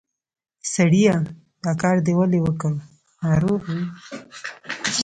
سړیه! دا کار دې ولې وکړ؟ ناروغ وې؟